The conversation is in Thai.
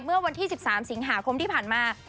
เมื่อวันที่๑๓สิงหาคมที่ผ่านมา